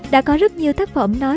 đã có rất nhiều thác phẩm nói